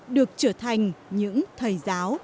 được trở thành những thầy giáo